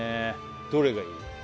どれがいい？